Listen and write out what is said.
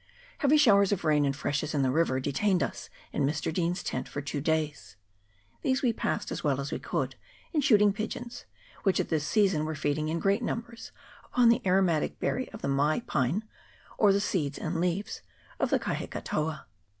Heavy showers of rain and freshes in the river detained us in Mr. Dean's tent for two days : these we passed as well as we could in shooting pigeons, which at this season were feeding in great numbers upon the aromatic berry of the mai pine or the seeds and leaves of the kahikatoa.